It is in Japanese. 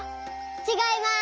ちがいます。